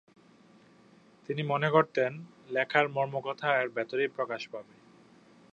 তিনি মনে করতেন লেখার মর্মকথা এর ভেতরেই প্রকাশ পাবে।